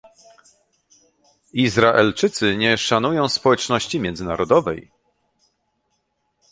Izraelczycy nie szanują społeczności międzynarodowej